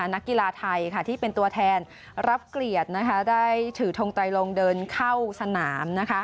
นักกีฬาไทยที่เป็นตัวแทนรับเกลียดได้ถือทงไตรลงเดินเข้าสนาม